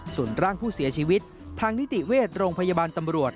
ส่วนร่างผู้เสียชีวิตทางนิติเวชโรงพยาบาลตำรวจ